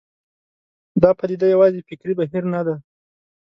دا پدیده یوازې فکري بهیر نه ده.